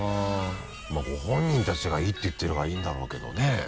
まぁご本人たちがいいって言ってるからいいんだろうけどね。